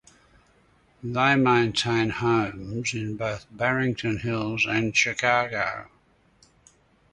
They maintain homes in both Barrington Hills and Chicago.